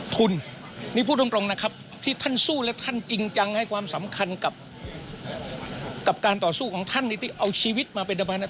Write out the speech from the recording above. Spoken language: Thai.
ต้องการให้ความสำคัญกับการต่อสู้ของท่านในที่เอาชีวิตมาเป็นทางบรรยาย